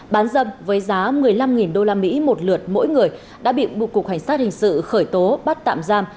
bán rầm với giá một mươi năm usd một lượt mỗi người đã bị bộ cục hành sát hình sự khởi tố bắt tạm giam